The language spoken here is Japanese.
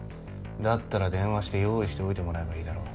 だったら電話して用意しておいてもらえばいいだろ。